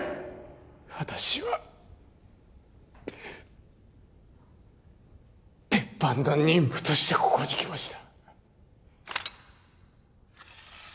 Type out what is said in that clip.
私は、別班の任務としてここに来ました。